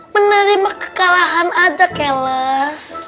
menerima kekalahan aja keles